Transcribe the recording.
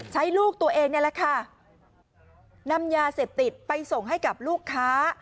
ลูกตัวเองนี่แหละค่ะนำยาเสพติดไปส่งให้กับลูกค้า